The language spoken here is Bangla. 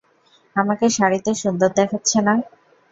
আমাকে শাড়িতে সুন্দর দেখাচ্ছে না?